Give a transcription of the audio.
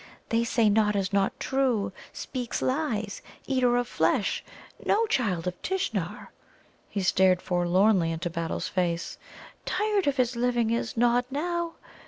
They say Nod is not true, speaks lies, eater of flesh, no child of Tishnar." He stared forlornly into Battle's face. "Tired of his living is Nod now.